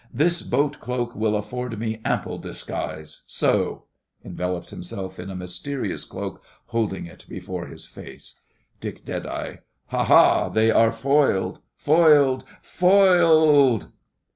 This boat cloak will afford me ample disguise—So! (Envelops himself in a mysterious cloak, holding it before his face.) DICK. Ha, ha! They are foiled—foiled—foiled!